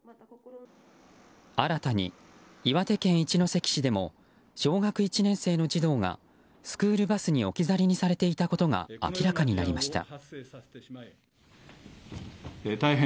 新たに岩手県一関市でも小学１年生の児童がスクールバスに置き去りにされていたことが明らかになりました。